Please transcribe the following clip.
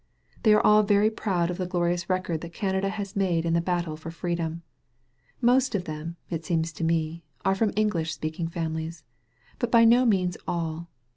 They are all very proud of the glorious record that Canada has made in the battle for freedom. Most of them, it seems to me, are from English speaking families. But by no means all.